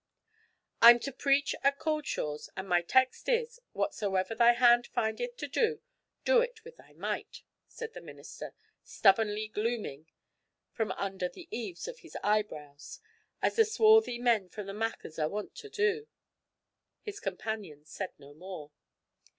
'I'm to preach at Cauldshaws, and my text is, "Whatsoever thy hand findeth to do, do it with thy might!"' said the minister, stubbornly glooming from under the eaves of his eyebrows as the swarthy men from the Machars are wont to do. His companions said no more.